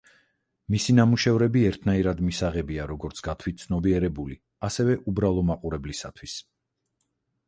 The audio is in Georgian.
მისი ნამუშევრები ერთნაირად მისაღებია, როგორც გათვითცნობიერებული ასევე უბრალო მაყურებლისათვის.